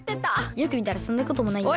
よくみたらそんなこともないや。